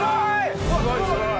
すごい！